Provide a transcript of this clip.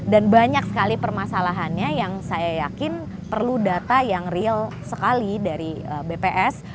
dan banyak sekali permasalahannya yang saya yakin perlu data yang real sekali dari bps